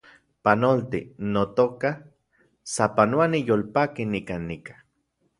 Panolti, notoka , sapanoa niyolpaki nikan nika